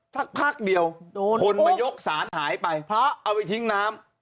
สักพักเดียวคนมายกสารหายไปเพราะเอาไปทิ้งน้ำ